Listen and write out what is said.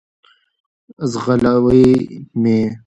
ځغلوی مي .